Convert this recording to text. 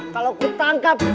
kalau aku tangkap